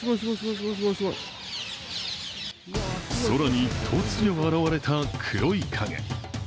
空に突如、現れた黒い影。